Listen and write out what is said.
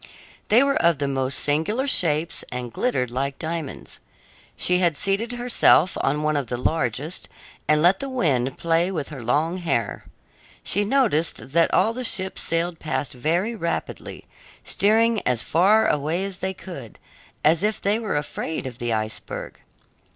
They were of the most singular shapes and glittered like diamonds. She had seated herself on one of the largest and let the wind play with her long hair. She noticed that all the ships sailed past very rapidly, steering as far away as they could, as if they were afraid of the iceberg.